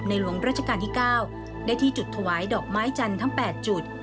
หลวงราชการที่๙ได้ที่จุดถวายดอกไม้จันทร์ทั้ง๘จุด